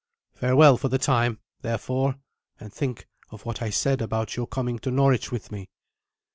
Farewell for the time, therefore, and think of what I said about your coming to Norwich with me."